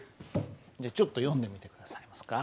じゃあちょっと読んでみて下さいますか。